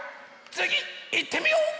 つぎいってみよう！